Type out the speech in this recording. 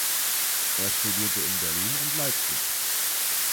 Er studierte in Berlin und Leipzig.